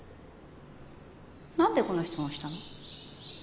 何でこの質問したの？